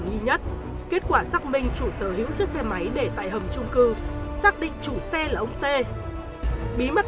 nghi nhất kết quả xác minh chủ sở hữu chiếc xe máy để tại hầm trung cư xác định chủ xe là ông tê bí mật